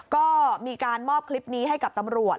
ก็มีการมอบคลิปนี้ให้กับตำรวจ